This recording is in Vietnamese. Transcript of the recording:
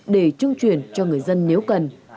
để trưng chuyển cho người dân nếu cần